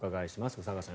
宇佐川さん